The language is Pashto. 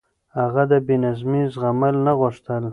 هغه د بې نظمي زغمل نه غوښتل.